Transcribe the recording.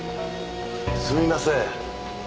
すみません。